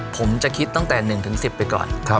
ผมจะคิดตั้งแต่๑๑๐ไปก่อน